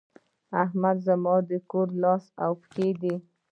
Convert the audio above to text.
احمد زموږ د کور لاس او پښه دی.